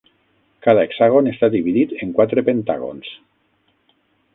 Cada hexàgon està dividit en quatre pentàgons.